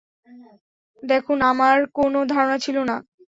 দেখুন, আমার কোনো ধারণা ছিল না।